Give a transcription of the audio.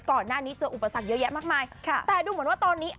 ก่อนหน้านี้เจออุปสรรคเยอะแยะมากมายค่ะแต่ดูเหมือนว่าตอนนี้